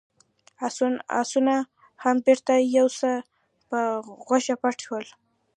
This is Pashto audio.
آسونه هم بېرته يو څه په غوښه پټ شول.